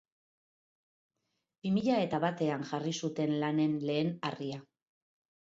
Bi mila eta batean jarri zuten lanen lehen harria.